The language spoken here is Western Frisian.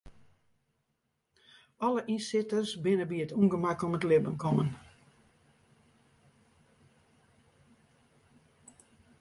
Alle ynsitters binne by it ûngemak om it libben kommen.